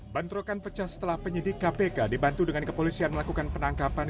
bentrokan pecah setelah penyidik kpk dibantu dengan kepolisian melakukan penangkapan